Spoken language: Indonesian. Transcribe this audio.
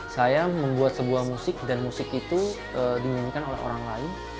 saya membuat sebuah musik dan musik itu dinyanyikan oleh orang lain